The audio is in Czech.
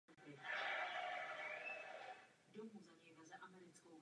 Jako hlavní problém však vidí spíše tendenci Američanů Ústavu příliš uctívat.